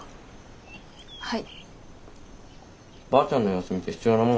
はい。